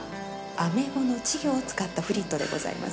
アメゴの稚魚を使ったフリットでございます。